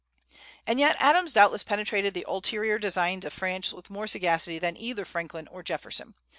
And yet Adams doubtless penetrated the ulterior designs of France with more sagacity than either Franklin or Jefferson.